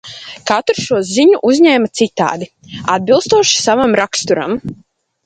Katrs šo ziņu uzņēma citādi, atbilstoši savam raksturam.